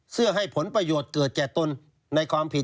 เพื่อให้ผลประโยชน์เกิดแก่ตนในความผิด